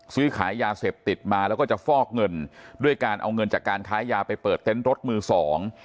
ซื้อขายยาเสพติดมาแล้วก็จะฟอกเงินด้วยการเอาเงินจากการค้ายาไปเปิดเต็นต์รถมือสอง